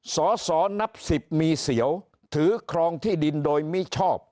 สอนับ๑๐มีเสียวถือครองที่ดินโดยมิชอบ